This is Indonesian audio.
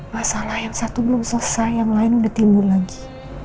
masalah yang satu belum selesai yang lain udah timbul lagi